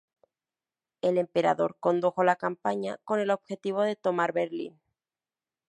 El Emperador condujo la campaña con el objetivo de tomar Berlín.